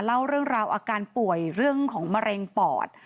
เล่าเรื่องราวอาการป่วยเรื่องของมะเร็งปอด